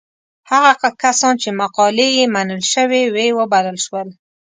هغه کسان چې مقالې یې منل شوې وې وبلل شول.